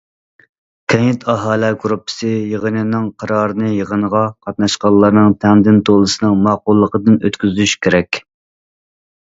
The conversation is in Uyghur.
كەنت ئاھالە گۇرۇپپىسى يىغىنىنىڭ قارارىنى يىغىنغا قاتناشقانلارنىڭ تەڭدىن تولىسىنىڭ ماقۇللۇقىدىن ئۆتكۈزۈش كېرەك.